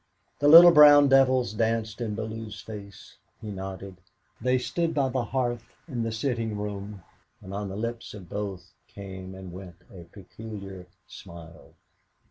The little brown devils danced in Bellew's face. He nodded. They stood by the hearth in the sitting room, and on the lips of both came and went a peculiar smile.